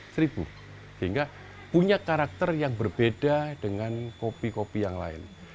sehingga punya karakter yang berbeda dengan kopi kopi yang lain